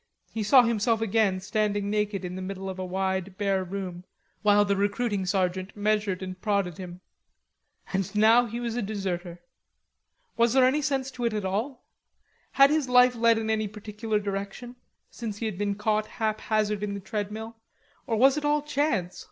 He saw himself again standing naked in the middle of a wide, bare room, while the recruiting sergeant measured and prodded him. And now he was a deserter. Was there any sense to it all? Had his life led in any particular direction, since he had been caught haphazard in the treadmill, or was it all chance?